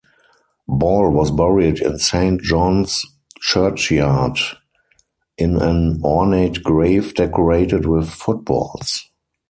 Ball was buried in Saint John's churchyard in an ornate grave decorated with footballs.